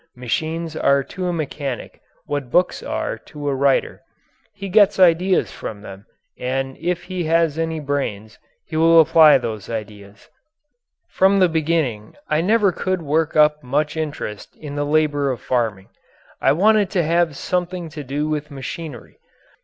Machines are to a mechanic what books are to a writer. He gets ideas from them, and if he has any brains he will apply those ideas. From the beginning I never could work up much interest in the labour of farming. I wanted to have something to do with machinery.